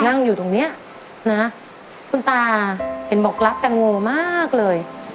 นั่งอยู่ตรงเนี้ยนะคุณตาเห็นบอกรักแตงโมมากเลย